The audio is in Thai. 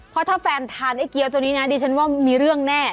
เพราะถ้าแฟนทานไอ้เกี้ยวตัวนี้นะดิฉันว่ามีเรื่องแน่